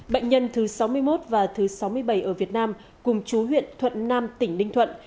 bệnh nhân thứ sáu mươi một và thứ sáu mươi bảy ở việt nam cùng chú huyện thuận nam tỉnh ninh thuận